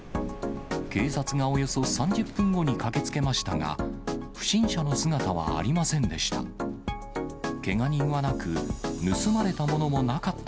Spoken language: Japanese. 警察がおよそ３０分後に駆けつけましたが、不審者の姿はありませんでした。